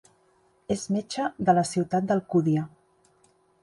És metge de la ciutat d'Alcúdia.